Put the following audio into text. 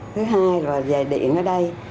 thứ hai là về điện ở đây